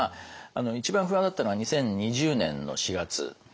一番不安だったのが２０２０年の４月ですね。